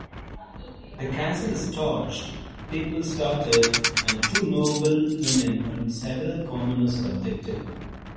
The castle is torched, people slaughtered and two noblewomen and several commoners are abducted.